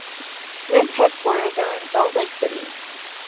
Smith's headquarters are in Salt Lake City.